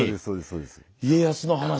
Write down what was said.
そうですね。